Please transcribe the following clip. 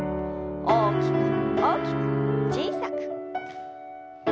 大きく大きく小さく。